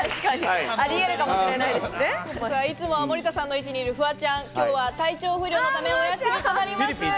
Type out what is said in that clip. いつもは森田さんの位置にいるフワちゃん、きょうは体調不良のためお休みとなります。